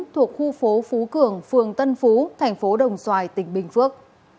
thuộc khu phố phú cường phường tân phú tp đồng xoài tỉnh bình phước